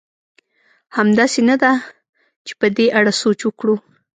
همداسې نه ده؟ چې په دې اړه سوچ وکړو.